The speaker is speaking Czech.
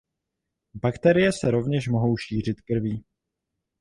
Bakterie se rovněž mohou šířit krví.